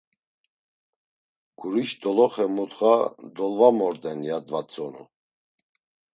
Guriş doloxe mutxa dolvamorden, ya dvatzonu.